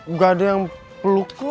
nggak ada yang pelukku